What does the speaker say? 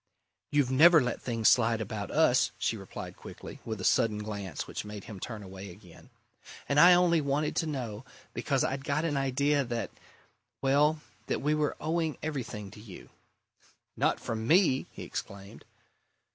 "You've never let things slide about us," she replied quickly, with a sudden glance which made him turn away again. "And I only wanted to know because I'd got an idea that well, that we were owing everything to you." "Not from me!" he exclaimed.